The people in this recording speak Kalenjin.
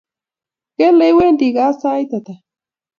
Kele iwendi gaa sait ata